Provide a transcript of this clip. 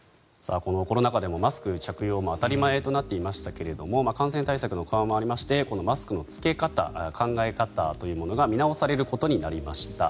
このコロナ禍でもマスク着用当たり前となっていましたが感染対策の緩和もありましてマスクの着け方考え方というものが見直されることになりました。